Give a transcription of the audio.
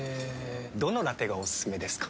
どのラテがおすすめですか？